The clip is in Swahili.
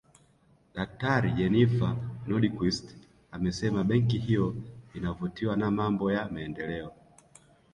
Daktari Jennifer Nordquist amesema benki hiyo inavutiwa na mambo ya maendeleo